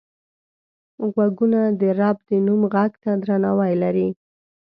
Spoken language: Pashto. غوږونه د رب د نوم غږ ته درناوی لري